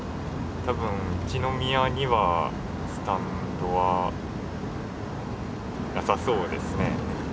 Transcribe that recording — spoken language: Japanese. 多分一宮にはスタンドはなさそうですね。